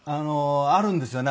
あるんですよね